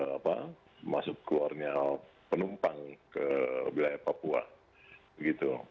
apa masuk keluarnya penumpang ke wilayah papua begitu